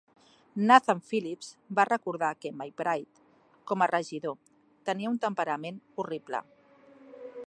Nathan Phillips va recordar que McBride, com a regidor, tenia un temperament horrible.